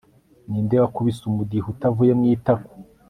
ni nde wakubise umudiho utavuye mu itako